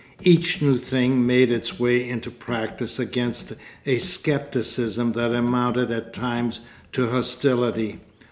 Each new thing made its way into practice against a scepticism that amounted at times to hostility.